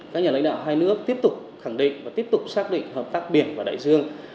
các nhà lãnh đạo hai nước tiếp tục khẳng định và tiếp tục xác định hợp tác biển và đại dương